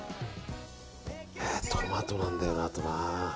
トマトなんだよな、あと。